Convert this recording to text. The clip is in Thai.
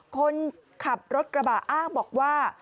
คนขับรถกระบะอ้างบอกว่า